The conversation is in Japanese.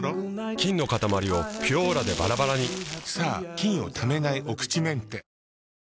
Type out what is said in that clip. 菌のかたまりを「ピュオーラ」でバラバラにさぁ菌をためないお口メンテ。